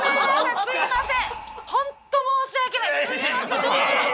すいません。